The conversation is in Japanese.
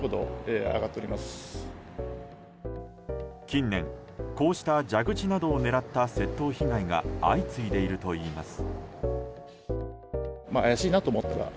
近年こうした蛇口などを狙った窃盗被害が相次いでいるといいます。